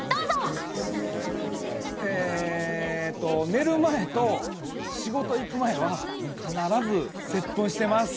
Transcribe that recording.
寝る前と仕事行く前は必ず接吻してます。